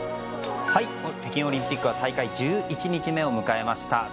北京オリンピックは大会１１日目を迎えました。